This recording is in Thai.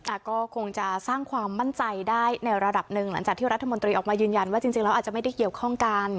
อ่ะก็คงจะสร้างความมั่นใจได้ในระดับหนึ่งหลังจากที่รัฐมนตรีออกมายืนยันว่าจริงจริงแล้วอาจจะไม่ได้เกี่ยวข้องกัน